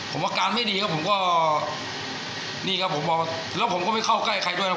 ผมอาการไม่ดีครับผมก็นี่ครับผมบอกแล้วผมก็ไม่เข้าใกล้ใครด้วยนะ